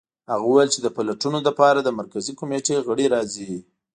هغه وویل چې د پلټنو لپاره د مرکزي کمېټې غړي راځي